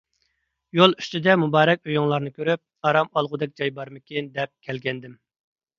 يول ئۈستىدە مۇبارەك ئۆيۈڭلارنى كۆرۈپ، ئارام ئالغۇدەك جاي بارمىكىن دەپ كەلگەنىدىم.